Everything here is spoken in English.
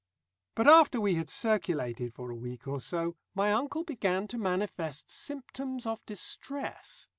But after we had circulated for a week or so, my uncle began to manifest symptoms of distress.